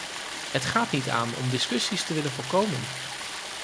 Het gaat niet aan om discussies te willen voorkomen.